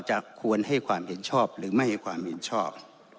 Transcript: ควรให้ความเห็นชอบหรือไม่ให้ความเห็นชอบ